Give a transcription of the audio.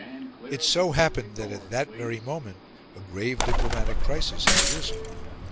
It so happened that at that very moment a grave diplomatic crisis had arisen.